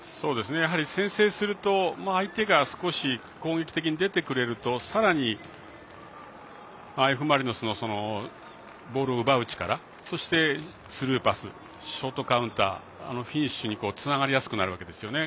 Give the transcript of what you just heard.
やはり先制すると相手が、少し攻撃的に出てくれるとさらにＦ・マリノスのボールを奪う力そして、スルーパスショートカウンターフィニッシュにつながりやすくなるわけですよね。